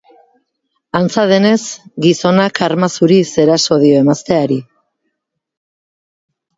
Antza denez, gizonak arma zuriz eraso dio emazteari.